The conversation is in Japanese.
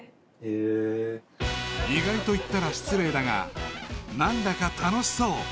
［意外といったら失礼だが何だか楽しそう］